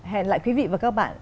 hẹn lại quý vị và các bạn